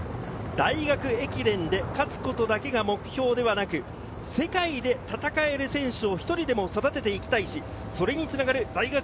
大学駅伝で勝つことだけが目標ではなく、世界で戦える選手を１人でも育てていきたいし、それに繋がる大学